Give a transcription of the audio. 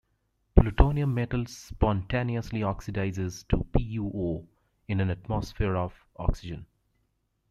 Plutonium metal spontaneously oxidizes to PuO in an atmosphere of oxygen.